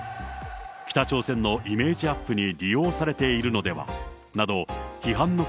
北朝鮮のイメージアップに利用されているのではなど、今後、